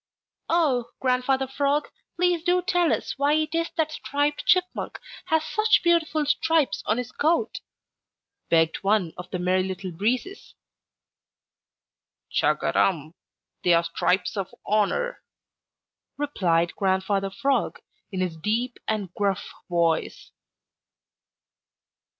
"Oh, Grandfather Frog, please do tell us why it is that Striped Chipmunk has such beautiful stripes on his coat," begged one of the Merry Little Breezes. "Chug a rum! They are stripes of honor," replied Grandfather Frog, in his deep, gruff voice.